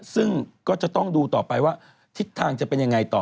ซึ่งก็จะต้องดูต่อไปว่าทิศทางจะเป็นยังไงต่อ